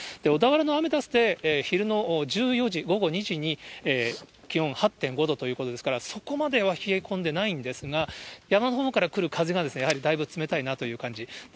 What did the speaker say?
小田原のアメダスで昼の１４時、午後２時に気温８．５度ということですから、そこまでは冷え込んでないんですが、山のほうから来る風が、やはりだいぶ冷たいなという感じ。